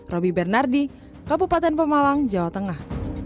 robi bernardi kabupaten pemawang jawa tengah